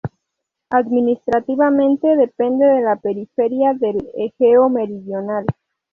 Administrativamente depende de la periferia del Egeo Meridional.